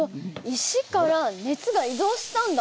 石から熱が移動したんだ。